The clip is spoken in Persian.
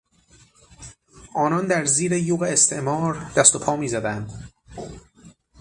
آنان در زیر یوغ استعمار دست و پا میزدند.